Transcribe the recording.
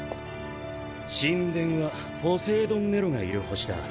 神殿はポセイドン・ネロがいる星だ。